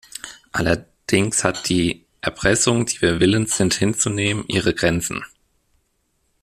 Allerdings hat die Erpressung, die wir willens sind hinzunehmen, ihre Grenzen.